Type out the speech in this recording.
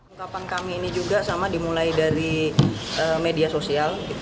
ungkapan kami ini juga sama dimulai dari media sosial